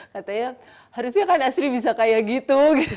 katanya harusnya kan asri bisa kayak gitu